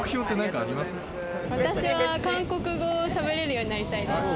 私は韓国語をしゃべれるようになりたいです。